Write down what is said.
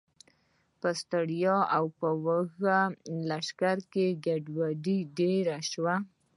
په ستړي او وږي لښکر کې ګډوډي ډېره شوه.